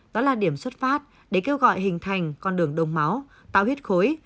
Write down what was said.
đó là điểm xuất phát để kêu gọi hình thành con đường đông máu tạo huyết khối